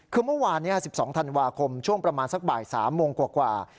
คือเมื่อวานนี้๑๒ธันวาคมช่วงประมาณสักบ่าย๓โมงกว่า